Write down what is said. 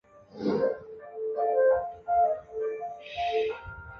自由民主党籍。